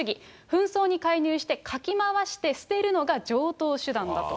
紛争に介入して、かき回して捨てるのが常とう手段だと。